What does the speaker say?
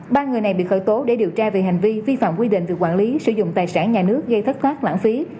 ba người này bị khởi tố để điều tra về hành vi vi phạm quy định về quản lý sử dụng tài sản nhà nước gây thất thoát lãng phí